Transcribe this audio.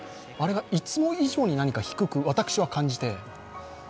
あれがいつも以上に低く、私は感じて。